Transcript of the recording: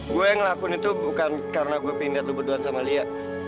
gue ngelakuin itu bukan karena gue pingin liat lo berduaan sama lia